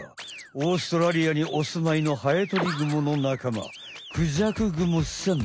オーストラリアにおすまいのハエトリグモの仲間クジャクグモさん。